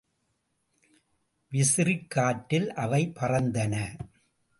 விசிறிக்காற்றில் அவை பறந்தன.